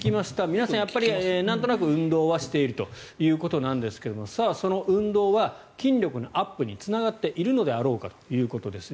皆さんもなんとなく運動はしているということなんですがその運動は筋力のアップにつながっているのだろうかということです。